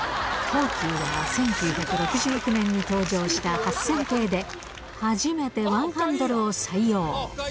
東急では、１９６９年に登場した８０００系で、初めてワンハンドルを採用。